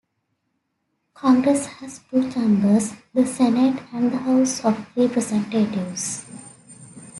Congress has two chambers: the Senate and the House of Representatives.